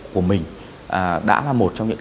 của mình đã là một trong những